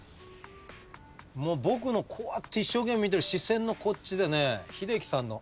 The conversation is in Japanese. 僕のこうやって一生懸命見てる視線のこっちでね英樹さんの。